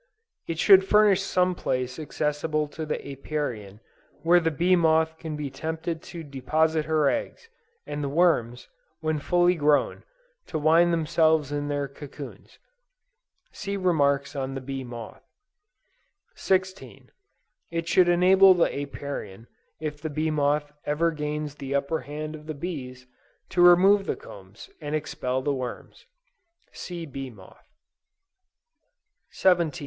It should furnish some place accessible to the Apiarian, where the bee moth can be tempted to deposit her eggs, and the worms, when full grown, to wind themselves in their cocoons. (See remarks on the Bee Moth.) 16. It should enable the Apiarian, if the bee moth ever gains the upper hand of the bees, to remove the combs, and expel the worms. (See Bee Moth.)